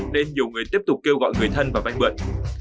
nên nhiều người tiếp tục kêu gọi người thân và banh bượn